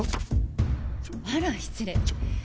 あら失礼。